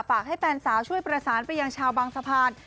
ฝากให้แฟนสาวช่วยประสานไปยังชาวบางสะพาน